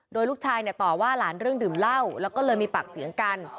โดยลูกชายเนี่ยต่อว่าหลานเรื่องดื่มเหล้าแล้วก็เลยมีปากเสียงกัน